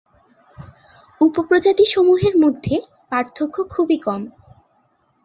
উপপ্রজাতি সমূহের মধ্যে পার্থক্য খুবই কম।